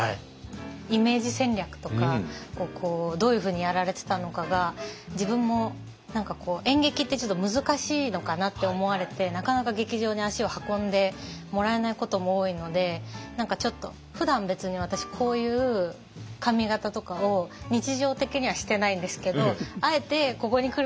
イメージ戦略とかどういうふうにやられてたのかが自分も演劇って難しいのかなって思われてなかなか劇場に足を運んでもらえないことも多いのでふだん別に私こういう髪形とかを日常的にはしてないんですけどあえてここに来る時に。